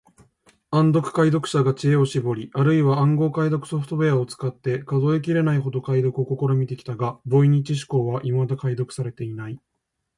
お誕生日おめでとうございます！あなたに幸せ、健康、成功を願います。あなたが望むものがすべて叶い、毎日が幸せで豊かなものであるように。